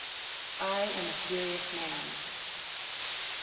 I am a serious man.